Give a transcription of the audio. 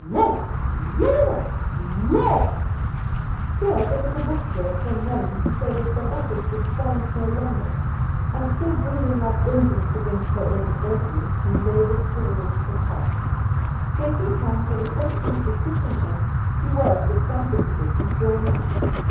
Lord, Lord, Lord!" Here the little Bush girl came running to say that the horses would stand no longer, and still breathing out vengeance against her old adversary she laboured toward the cart. Shaking hands and affectionately kissing Em, she was with some difficulty drawn up.